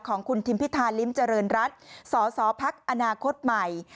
ของคุณทิมพิทาลิ้มเจริญรัติสศภักดิ์อนาคตใหม่